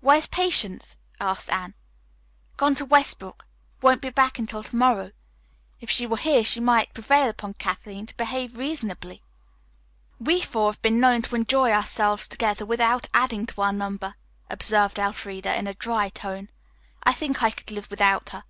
"Where's Patience?" asked Anne. "Gone to Westbrook. Won't be back until to morrow. If she were here she might prevail upon Kathleen to behave reasonably." "We four have been known to enjoy ourselves together without adding to our number," observed Elfreda in a dry tone. "I think I could live without her."